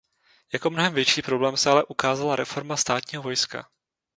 Jako mnohem větší problém se ale ukázala reforma státního vojska.